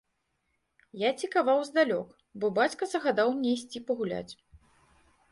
Я цікаваў здалёк, бо бацька загадаў мне ісці пагуляць.